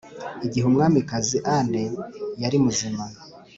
igihe umwamikazi anne yari muzima.